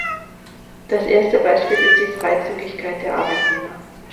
Das erste Beispiel ist die Freizügigkeit der Arbeitnehmer.